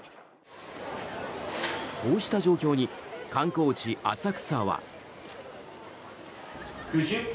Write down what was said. こうした状況に観光地・浅草は。